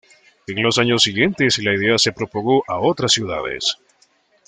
En los años siguientes la idea se propagó a otras ciudades.